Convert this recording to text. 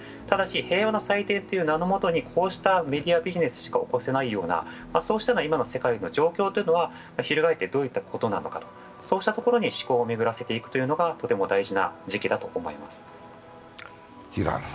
ただし、平和の祭典という名のもとにこうしたメディアビジネスしか起こせないようなそうした今の世界の状況というのは、翻ってどういうことなのかとそうしたところに思考を巡らせていくのに大事な時期だと思います。